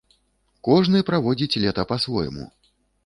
Кожны праводзіць лета па-свойму.